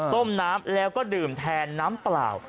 ต้มน้ำแล้วก็ดื่มแทนน้ำเปล่า